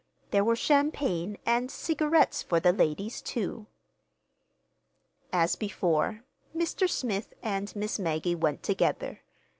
There were champagne, and cigarettes for the ladies, too. As before, Mr. Smith and Miss Maggie went together.